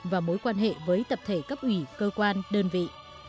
và mối quan hệ với tập thể cấp ủy cơ quan đơn vị